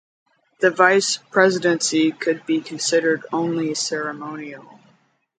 The vice presidency could be considered only ceremonial.